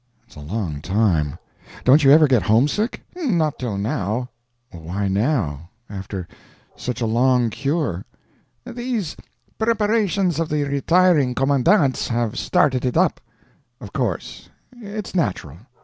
"It's a long time. Don't you ever get homesick?" "Not till now." "Why now?—after such a long cure." "These preparations of the retiring commandant's have started it up." "Of course. It's natural."